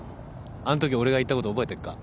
あんとき俺が言ったこと覚えてっか？